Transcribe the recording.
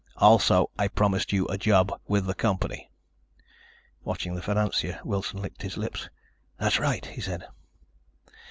Also I promised you a job with the company." Watching the financier, Wilson licked his lips. "That's right," he said.